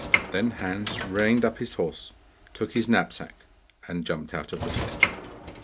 Then Hans reined up his horse, took his knapsack, and jumped out of the sledge.